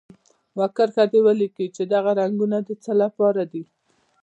یوه کرښه دې ولیکي چې دغه رنګونه د څه لپاره دي.